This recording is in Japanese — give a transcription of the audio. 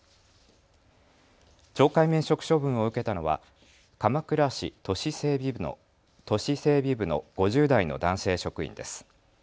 懲戒免職処分を受けたのは鎌倉市都市整備部の５０代の男性職員です。